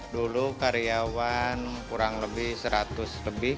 dulu karyawan kurang lebih seratus lebih